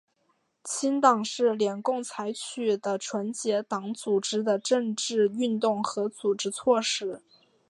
清党是联共采取的纯洁党组织的政治运动和组织措施。